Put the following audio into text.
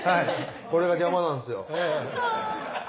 これがジャマなんですよ。